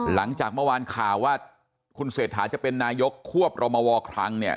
หลังจากเมื่อวานข่าวว่าคุณเศรษฐาจะเป็นนายกควบรมวคลังเนี่ย